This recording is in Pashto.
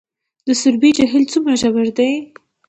د سروبي جهیل څومره ژور دی؟